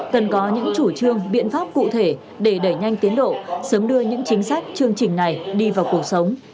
cần có những chủ trương biện pháp cụ thể để đẩy nhanh tiến độ sớm đưa những chính sách chương trình này đi vào cuộc sống